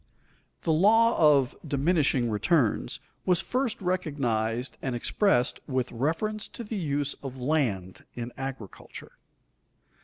_The law of "diminishing returns" was first recognized and expressed with reference to the use of land in agriculture.